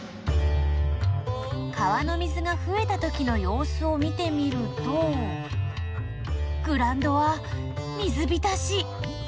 川の水がふえた時のよう子を見てみるとグラウンドは水びたし。